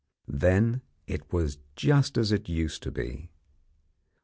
Then it was just as it used to be.